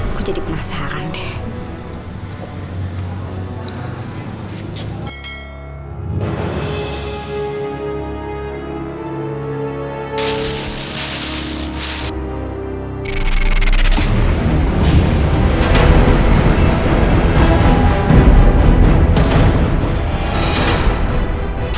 aku jadi penasaran deh